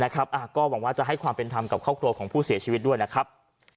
ก็หวังว่าจะให้ความเป็นธรรมกับครอบครัวของผู้เสียชีวิตด้วยนะครับ